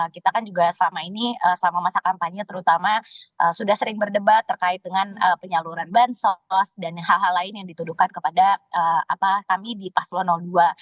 kita kan juga selama ini selama masa kampanye terutama sudah sering berdebat terkait dengan penyaluran bansos dan hal hal lain yang dituduhkan kepada kami di paslon dua